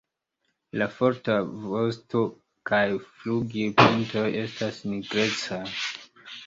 La forta vosto kaj flugilpintoj estas nigrecaj.